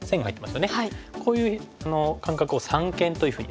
こういう間隔を三間というふうにですね。